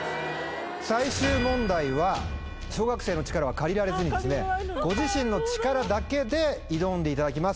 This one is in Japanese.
最終問題は小学生の力は借りられずにご自身の力だけで挑んでいただきます。